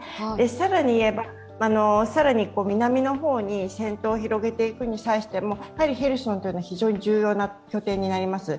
更にいえば、更に南の方に戦闘を広げていくに際してもやはりヘルソンというのは非常に重要な拠点になります。